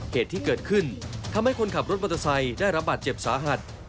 เหตุที่เกิดขึ้นทำให้คนขับรถมอเตอร์ไซค์ได้รับบาดเจ็บสาหัส